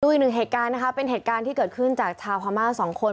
อีกหนึ่งเหตุการณ์นะคะเป็นเหตุการณ์ที่เกิดขึ้นจากชาวพม่าสองคน